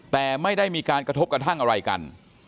แต่ไม่ได้มีการกระทบกระทั่งอะไรกัน